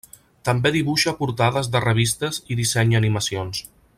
També dibuixa portades de revistes i dissenya animacions.